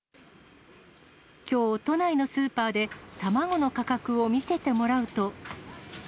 きょう、都内のスーパーで卵の価格を見せてもらうと。